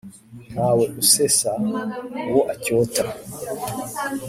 Ntawe usesa uwo acyota.